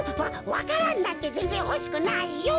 わわか蘭なんてぜんぜんほしくないよ。